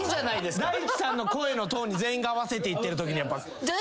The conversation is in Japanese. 大地さんの声のトーンに全員が合わせていってるときに。